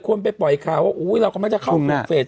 ควรไปป่อยข่าวโอ้วเราคงไม่เกิดเข้าโฟร์เฟช๓